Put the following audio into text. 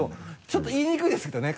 ちょっと言いにくいですけどね